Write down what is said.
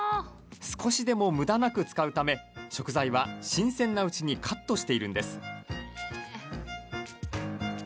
少しでも、むだなく使うため食材は新鮮なうちにカットしているんです。